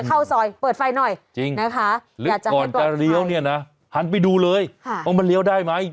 จะเข้าซอยเปิดไฟหน่อยจริงนะคะหันไปดูเลยว่ามันเลี้ยวได้ไหม